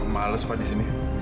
males pak di sini